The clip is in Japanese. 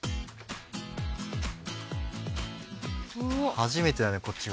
初めてだねこっち側。